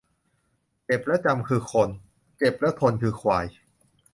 เจ็บแล้วจำคือคน เจ็บแล้วทนคือควาย